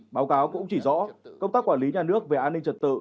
báo cáo cũng chỉ rõ công tác quản lý nhà nước về an ninh trật tự